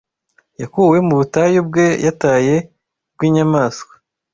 Yakuwe mu butayu bwe yataye Bwinyamaswa